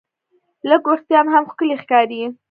لږ وېښتيان هم ښکلي ښکاري.